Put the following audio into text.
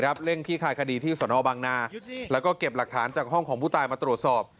เร่งขี้คายคดีที่สนบังนาแล้วก็เก็บหลักฐานจากห้องของผู้ตายมาตรวจสอบ